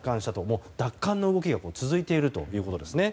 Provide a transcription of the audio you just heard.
もう、奪還の動きが続いているということですね。